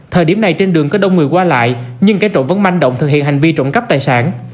thời điểm này trên đường có đông người qua lại nhưng kẻ trộm vẫn manh động thực hiện hành vi trộm cắp tài sản